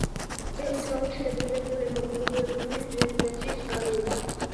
ზევით გავრცელებულია ძველი მოგლუვებული დენუდაციის არეები.